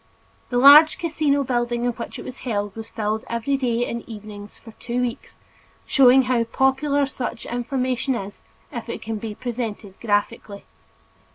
The large casino building in which it was held was filled every day and evening for two weeks, showing how popular such information is, if it can be presented graphically.